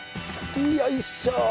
よいしょ！